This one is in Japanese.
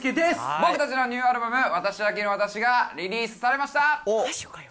僕たちのニューアルバム、私飽きぬ私がリリースされました。